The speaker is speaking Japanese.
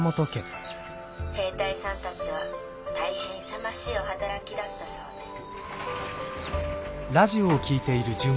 「兵隊さんたちは大変勇ましいお働きだったそうです」。